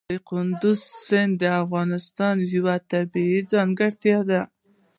کندز سیند د افغانستان یوه طبیعي ځانګړتیا ده.